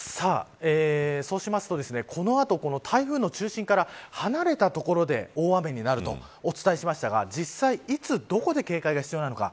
そうしますとこの後、台風の中心から離れた所で大雨になるとお伝えしましたが実際、いつ、どこで警戒が必要なのか。